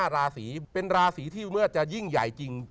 ราศีเป็นราศีที่เมื่อจะยิ่งใหญ่จริง